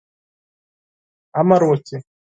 امر وکړي.